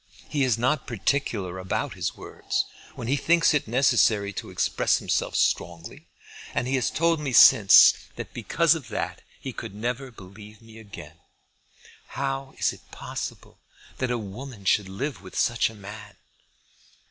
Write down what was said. He is not particular about his words, when he thinks it necessary to express himself strongly. And he has told me since that because of that he could never believe me again. How is it possible that a woman should live with such a man?"